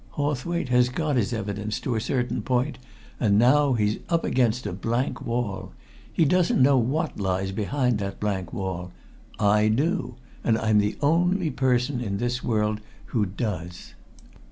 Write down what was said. Hawthwaite has got his evidence to a certain point and now he's up against a blank wall. He doesn't know what lies behind that blank wall. I do! And I'm the only person in this world who does.